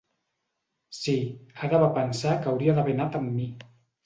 Sí, Ada va pensar que hauria d'haver anat amb mi.